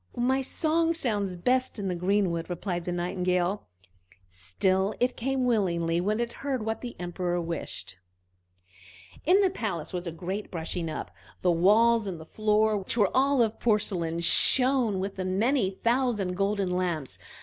"My song sounds best in the greenwood!" replied the Nightingale; still it came willingly when it heard what the Emperor wished. In the palace there was a great brushing up. The walls and the floor, which were of porcelain, shone with many thousand golden lamps.